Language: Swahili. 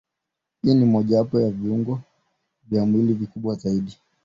Ini ni mojawapo wa viungo vya mwili vikubwa zaidi.